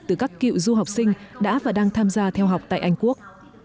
từ các cựu du học sinh đã và đang tham gia theo học tại anh quốc